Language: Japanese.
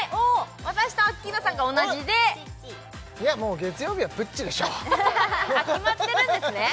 私とアッキーナさんが同じでチッチいやもう月曜日はプッチでしょう決まってるんですね